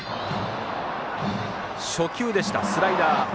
初球でした、スライダー。